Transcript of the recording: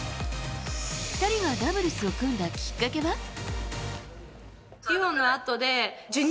２人がダブルスを組んだきっかけは？